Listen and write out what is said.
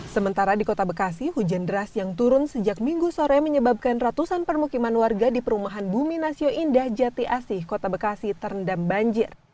sementara di kota bekasi hujan deras yang turun sejak minggu sore menyebabkan ratusan permukiman warga di perumahan bumi nasio indah jati asih kota bekasi terendam banjir